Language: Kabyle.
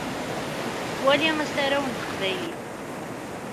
Wali asaraw n teqbaylit.